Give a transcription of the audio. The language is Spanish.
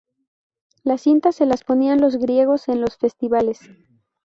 Las cintas se las ponían los griegos en los festivales.